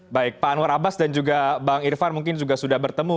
baik pak anwar abbas dan juga bang irfan mungkin juga sudah bertemu